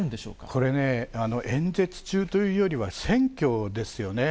これね、演説中というよりは、選挙ですよね。